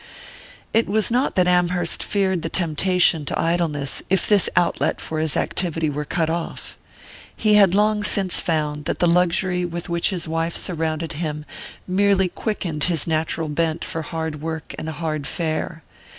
It was not that Amherst feared the temptation to idleness if this outlet for his activity were cut off. He had long since found that the luxury with which his wife surrounded him merely quickened his natural bent for hard work and hard fare.